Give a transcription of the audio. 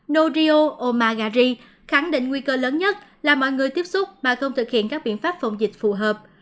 norio omagari khẳng định nguy cơ lớn nhất là mọi người tiếp xúc mà không thực hiện các biện pháp phòng dịch phù hợp